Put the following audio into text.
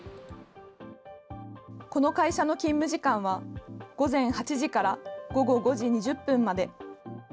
この会社の勤務時間は午前８時から午後５時２０分まで。